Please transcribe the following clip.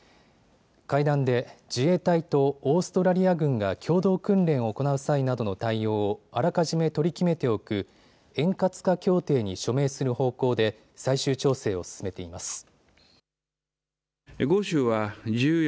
会談で自衛隊とオーストラリア軍が共同訓練を行う際などの対応をあらかじめ取り決めておく円滑化協定に署名する方向で最終調整を進めています。